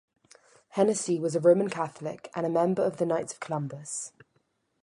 Hennessy was a Roman Catholic, and a member of the Knights of Columbus.